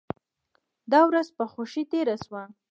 دا ورځ په خوښۍ تیره شوه.